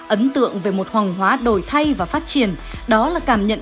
ấn tượng về một hoàng hóa đổi thay và phát triển đó là cảm nhận